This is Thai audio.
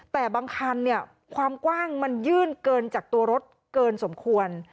แต่บางคันเนี่ยความกว้างมันยื่นเกินจากตัวรถเกินสมควร